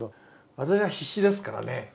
私は必死ですからね。